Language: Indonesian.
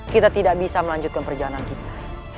kita tidak bisa melanjutkan perjalanan kita